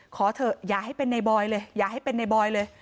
ขอเถอะอย่าให้เป็นในบอยเลยอย่าให้เป็นในบอยเลย